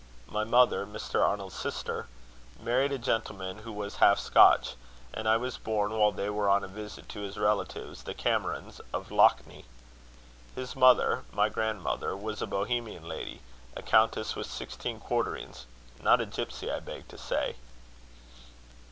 My mother, Mr. Arnold's sister, married a gentleman who was half Sootch; and I was born while they were on a visit to his relatives, the Camerons of Lochnie. His mother, my grandmother, was a Bohemian lady, a countess with sixteen quarterings not a gipsy, I beg to say."